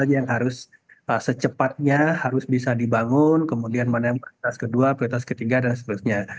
yang harus secepatnya harus bisa dibangun kemudian mana yang prioritas kedua prioritas ketiga dan seterusnya